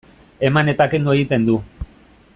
Eman eta kendu egiten du.